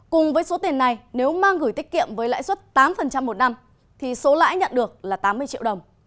cùng với số tiền này nếu mang gửi tiết kiệm với lãi suất tám một năm thì số lãi nhận được là tám mươi triệu đồng